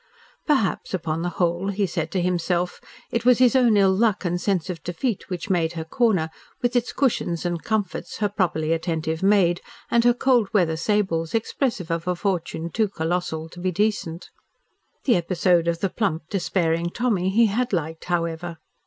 Perhaps, upon the whole, he said to himself, it was his own ill luck and sense of defeat which made her corner, with its cushions and comforts, her properly attentive maid, and her cold weather sables expressive of a fortune too colossal to be decent. The episode of the plump, despairing Tommy he had liked, however.